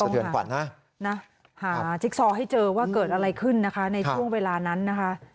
เดือนขวัญนะหาจิ๊กซอให้เจอว่าเกิดอะไรขึ้นนะคะในช่วงเวลานั้นนะคะ